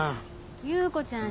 優子ちゃん